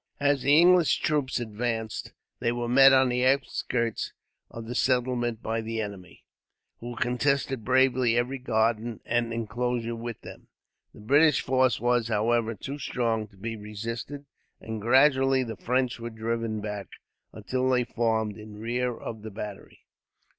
As the English troops advanced, they were met on the outskirts of the settlement by the enemy, who contested bravely every garden and inclosure with them. The British force was, however, too strong to be resisted, and gradually the French were driven back, until they formed in rear of the battery.